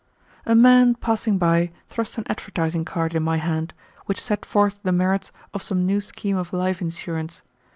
A man passing by thrust an advertising card in my hand, which set forth the merits of some new scheme of life insurance.